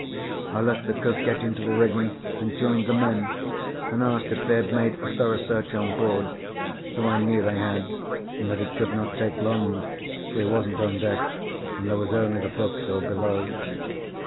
I let the cook get into the rigging and joined the men, and asked if they had made a thorough search on board, though I knew they had and that it could not take long, for he wasn't on deck, and there was only the forecastle below.